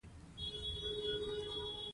هوښیار خلک خبرې ارزوي